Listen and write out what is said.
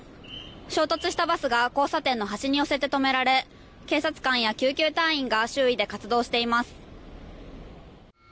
衝突したバスが交差点の端に寄せて止められ警察官や救急隊員が周囲で活動しています。